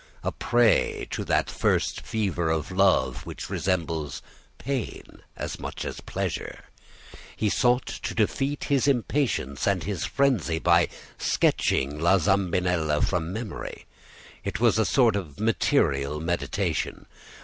A prey to that first fever of love which resembles pain as much as pleasure, he sought to defeat his impatience and his frenzy by sketching La Zambinella from memory. It was a sort of material meditation.